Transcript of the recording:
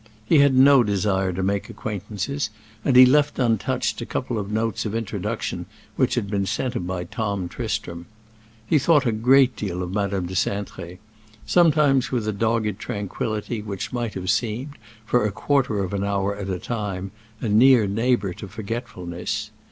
He had no desire to make acquaintances, and he left untouched a couple of notes of introduction which had been sent him by Tom Tristram. He thought a great deal of Madame de Cintré—sometimes with a dogged tranquillity which might have seemed, for a quarter of an hour at a time, a near neighbor to forgetfulness.